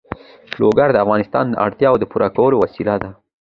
لوگر د افغانانو د اړتیاوو د پوره کولو وسیله ده.